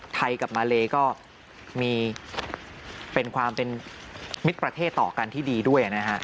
กับมาเลก็มีเป็นความเป็นมิตรประเทศต่อกันที่ดีด้วยนะฮะ